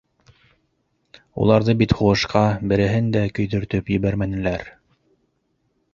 Уларҙы бит һуғышҡа береһен дә көйҙөртөп ебәрмәнеләр...